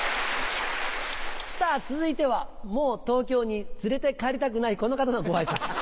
さぁ続いてはもう東京に連れて帰りたくないこの方のご挨拶。